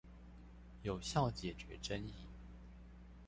有效解決爭議